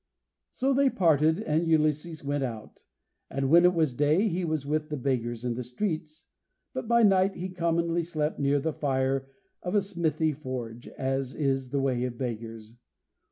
So they parted, and Ulysses went out, and when it was day he was with the beggars in the streets, but by night he commonly slept near the fire of a smithy forge, as is the way of beggars.